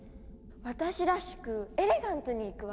私らしくエレガントにいくわ！